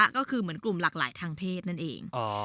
ก็คือเหมือนกลุ่มหลากหลายทางเพศนั่นเอง